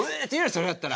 それやったら。